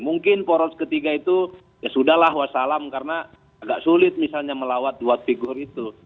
mungkin poros ketiga itu ya sudah lah wassalam karena agak sulit misalnya melawat dua figur itu